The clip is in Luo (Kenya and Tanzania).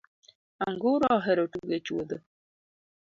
Anguro ohero tugo e chuodho .